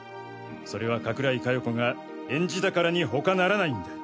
それは加倉井加代子が演じたからに他ならないんだ。